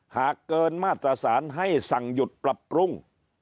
หากเกินมาตรฐานให้สั่งหยุดปรับปรุง